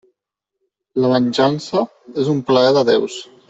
La venjança és un plaer de déus.